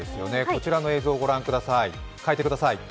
こちらの映像を御覧ください。